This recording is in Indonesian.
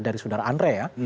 dari sudara andre ya